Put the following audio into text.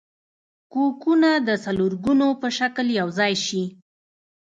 کوکونه د څلورګونو په شکل یوځای شي.